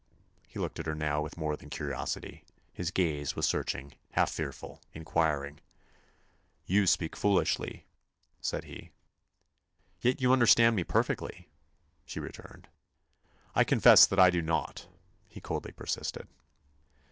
He looked at her now with more than curiosity; his gaze was searching, half fearful, inquiring. "You speak foolishly," said he. "Yet you understand me perfectly," she returned. "I confess that I do not," he coldly persisted.